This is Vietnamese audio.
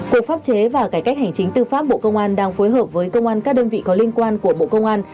cục pháp chế và cải cách hành chính tư pháp bộ công an đang phối hợp với công an các đơn vị có liên quan của bộ công an